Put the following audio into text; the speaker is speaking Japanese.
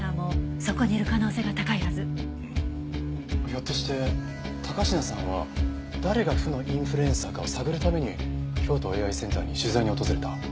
ひょっとして高階さんは誰が負のインフルエンサーかを探るために京都ＡＩセンターに取材に訪れた？